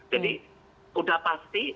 jadi sudah pasti